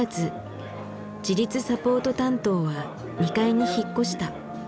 自立サポート担当は２階に引っ越した。